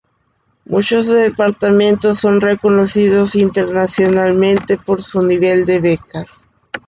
Muchos departamentos son reconocidos internacionalmente por su nivel de becas.